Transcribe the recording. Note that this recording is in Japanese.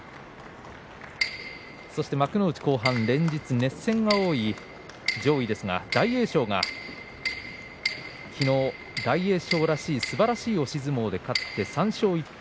そして幕内後半、連日熱戦が多い上位ですが大栄翔が昨日、大栄翔らしいすばらしい押し相撲で勝ちました３勝１敗。